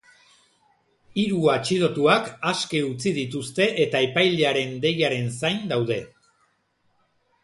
Hiru atxilotuak aske utzi dituzte eta epailearen deiaren zain daude.